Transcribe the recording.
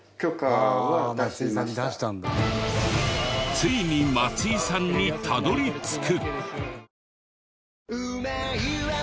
ついに松井さんにたどり着く！